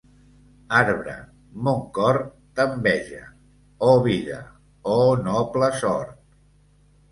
Arbre, mon cor t'enveja. Oh vida! Oh noble sort!